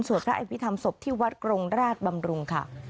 สวทรไอพิธรรมศพที่วัดกรงราชบำรุง